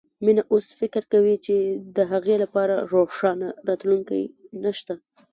مينه اوس فکر کوي چې د هغې لپاره روښانه راتلونکی نه شته